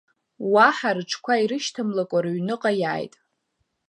Уаҳа рыҽқәа ирышьҭамлакәа рыҩныҟа иааит.